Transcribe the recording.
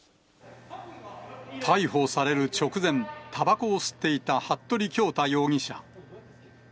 逮捕される直前、たばこを吸っていた服部恭太容疑者。